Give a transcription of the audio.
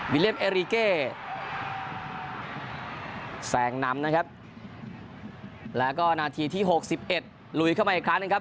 วิเล็บเอรีเก้แสงน้ำนะครับแล้วก็นาทีที่๖๑ลุยเข้ามาอีกครั้งหนึ่งครับ